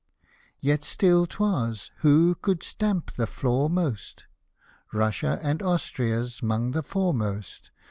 Yet still 'twas, who could stamp the floor most, Russia and Austria 'mong the foremost.